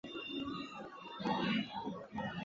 境内的建筑还包括布阿集团的炼油厂等。